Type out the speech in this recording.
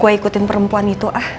gue ikutin perempuan itu ah